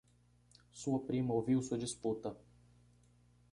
Sua prima ouviu sua disputa